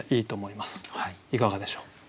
いかがでしょう？